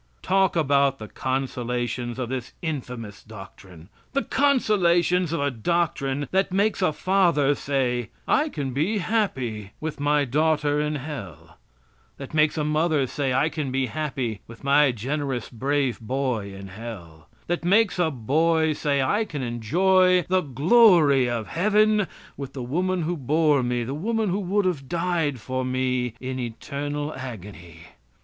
Talk about the consolations of this infamous doctrine. The consolations of a doctrine that makes a father say, "I can be happy with my daughter in hell"; that makes a mother say, "I can be happy with my generous, brave boy in hell"; that makes a boy say, "I can enjoy the glory of heaven with the woman who bore me, the woman who would have died for me, in eternal agony."